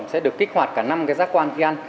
sẽ được kích hoạt cả năm cái giác quan khi ăn